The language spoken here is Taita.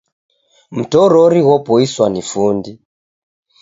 Mtorori ghopoiswa ni fundi.